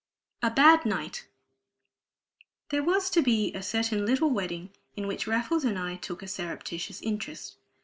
A Bad Night There was to be a certain little wedding in which Raffles and I took a surreptitious interest.